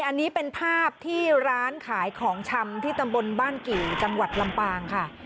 อันนี้เป็นภาพที่ร้านขายของชำที่ตำบลบ้านกี่จังหวัดลำปางค่ะ